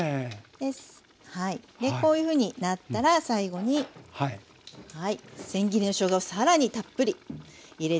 でこういうふうになったら最後にせん切りのしょうがを更にたっぷり入れていきます。